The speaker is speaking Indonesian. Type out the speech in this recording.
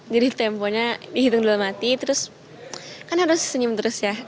jadi temponya dihitung dalam hati terus kan harus senyum terus ya